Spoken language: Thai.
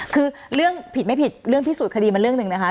คือเรื่องผิดไม่ผิดเรื่องพิสูจนคดีมันเรื่องหนึ่งนะคะ